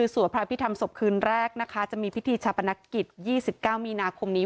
สวดพระพิธรรมศพคืนแรกนะคะจะมีพิธีชาปนกิจ๒๙มีนาคมนี้